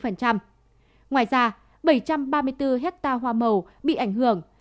ngoài ra bảy trăm ba mươi bốn hectare hoa màu bị ảnh hưởng